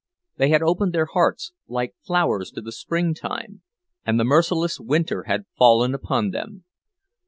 They had opened their hearts, like flowers to the springtime, and the merciless winter had fallen upon them.